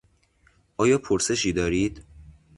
آیا پرسشی دارید؟